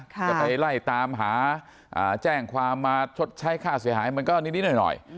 จะไปไล่ตามหาแจ้งความมาชดใช้ค่าเสียหายมันก็นิดหน่อย